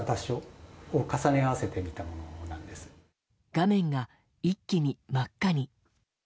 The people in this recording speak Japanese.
画面が一気に真っ赤に。